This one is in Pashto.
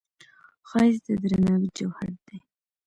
ښایست د درناوي جوهر دی